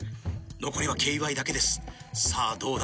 残りはけいわいだけですさぁどうだ？